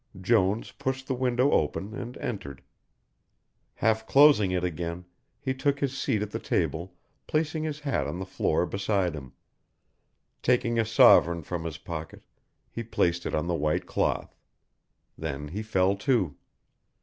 Jones pushed the window open and entered. Half closing it again, he took his seat at the table placing his hat on the floor beside him. Taking a sovereign from his pocket, he placed it on the white cloth. Then he fell to.